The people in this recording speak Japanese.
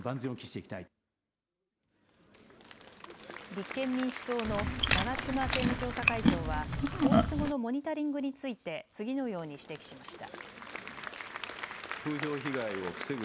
立憲民主党の長妻政務調査会長は放出後のモニタリングについて次のように指摘しました。